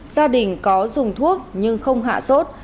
gia đình có dùng thuốc nhưng không hạ sốt